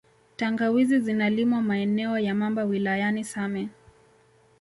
Tangawizi zinalimwa maeneo ya Mamba wilayani same